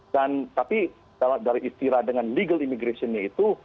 dan tapi dari istilah dengan legal immigrationnya itu